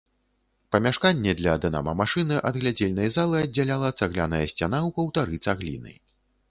Памяшканне для дынама-машыны ад глядзельнай залы аддзяляла цагляная сцяна ў паўтары цагліны.